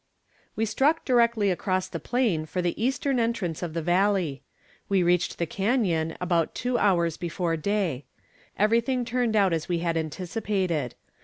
We struck directly across the plain for the eastern entrance of the valley. We reached the canon about two hours before day. Everything turned out as we had anticipated.